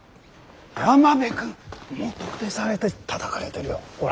山辺君もう特定されてたたかれてるよほら。